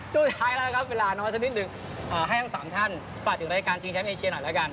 ช่วงที่ท้ายแล้วนะคะเวลาน้อยสักนิดหนึ่งให้ทั้งสามท่านฝากถึงรายการชิงแชมป์เอเชียหน่อยละกัน